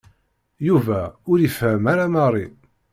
Yuba ur ifehhem ara Mary.